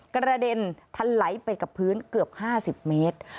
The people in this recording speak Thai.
กระเด็นทะไหลไปกับพื้นเกือบ๕๐เมตร